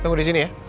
tunggu disini ya